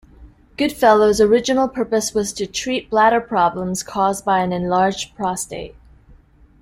Goodfellow's original purpose was to treat bladder problems caused by an enlarged prostate.